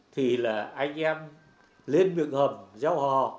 thì là anh em lên viện hầm giao hò